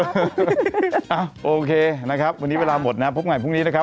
โอเคนะครับวันนี้เวลาหมดนะครับพบกันพรุ่งนี้นะครับ